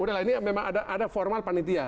udah lah ini memang ada formal panitia